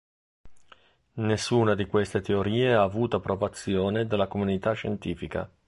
Nessuna di queste teorie ha avuto approvazione dalla comunità scientifica.